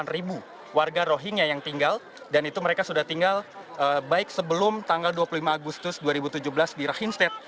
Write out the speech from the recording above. delapan ribu warga rohingya yang tinggal dan itu mereka sudah tinggal baik sebelum tanggal dua puluh lima agustus dua ribu tujuh belas di rahim state